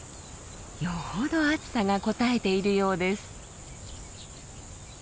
よほど暑さがこたえているようです。